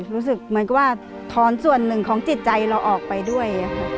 รู้สึกเหมือนกับว่าถอนส่วนหนึ่งของจิตใจเราออกไปด้วยค่ะ